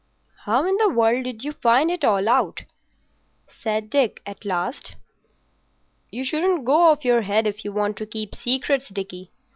"How in the world did you find it all out?" said Dick, at last. "You shouldn't go off your head if you want to keep secrets, Dickie.